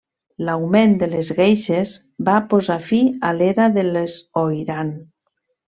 L'augment de les Geishes va posar fi a l'era de les Oiran.